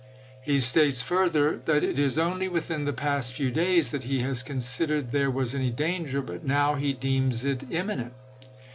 He states further that it is only within the past few days that he has considered there was any danger, but now he deems it imminent.